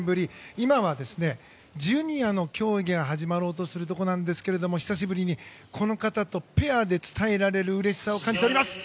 今は、ジュニアの競技が始まろうとしているところですが久しぶりにこの方とペアで伝えられるうれしさを感じております。